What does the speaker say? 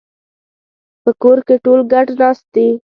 په کور کې ټول ګډ ناست دي